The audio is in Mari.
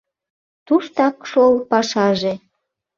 Туштак шол пашаже.